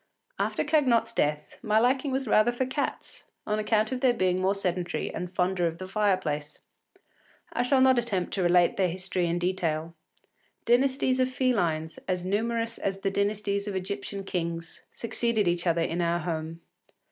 After Cagnotte’s death, my liking was rather for cats, on account of their being more sedentary and fonder of the fireplace. I shall not attempt to relate their history in detail. Dynasties of felines, as numerous as the dynasties of Egyptian kings, succeeded each other in our home.